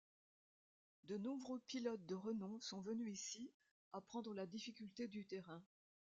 De nombreux pilotes de renom sont venus ici apprendre la difficulté du terrain.